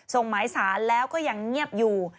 หมายสารแล้วก็ยังเงียบอยู่